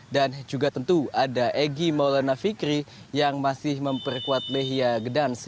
dan juga tentu ada egy maulana fikri yang masih memperkuat lehiya gedans